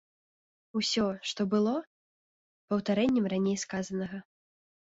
Усё, што было, паўтарэннем раней сказанага.